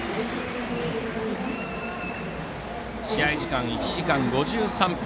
試合時間１時間５３分。